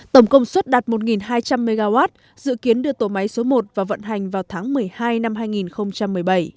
tổng công suất đạt một hai trăm linh mw dự kiến đưa tổ máy số một vào vận hành vào tháng một mươi hai năm hai nghìn một mươi bảy